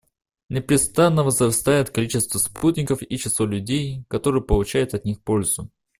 Непрестанно возрастает количество спутников и число людей, которые получают от них пользу.